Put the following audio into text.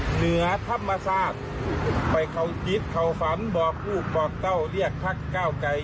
เหนือธรรมชาติไปเขาคิดเข้าฝันบอกลูกบอกเต้าเรียกพักเก้าไกร